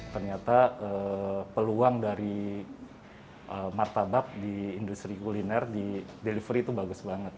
ternyata peluang dari martabak di industri kuliner di delivery itu bagus banget